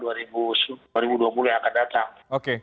yang akan datang oke